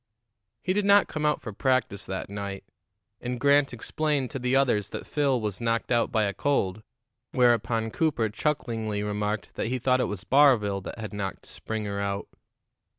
He did not come out for practice that night, and Grant explained to the others that Phil was knocked out by a cold, whereupon Cooper chucklingly remarked that he thought it was Barville that had knocked Springer out.